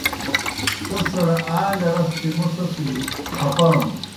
سہ سڑ آ گہ رس چہ موْ سہ سِجیْ خپانُس۔